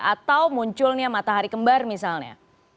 atau munculnya matahari kembar misalnya